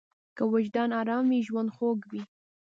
که وجدان ارام وي، ژوند خوږ وي.